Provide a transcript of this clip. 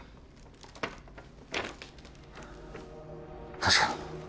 確かに